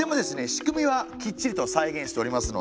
仕組みはきっちりと再現しておりますので。